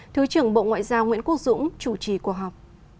thứ trưởng bộ ngoại giao nguyễn quốc dũng chủ trì cuộc họp